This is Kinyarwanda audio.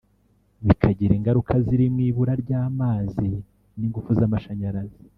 bikagira ingaruka zirimo ibura ry’amazi n’ingufu z’amashanyarazi